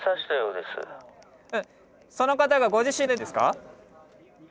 えっその方がご自身でですか？